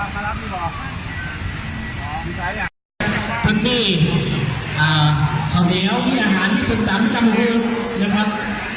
ตอนนี้อ่าเขาเดี๋ยวที่อาหารที่สุดท้ายมันกลับมาดูนะครับ